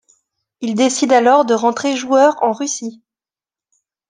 Il décide alors de rentrer joueur en Russie.